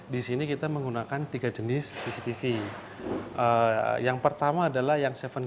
oke saya ingin jelaskan bagaimana berapa jenis cctv yang ada serta spesifikasinya masing masing